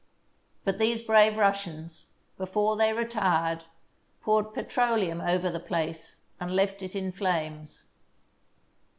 But these brave Russians, before they retired, poured petroleum over the place and left it in flames.